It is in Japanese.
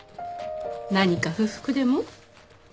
何か不服でも？